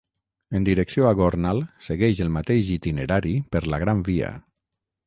En direcció a Gornal segueix el mateix itinerari per la Gran Via.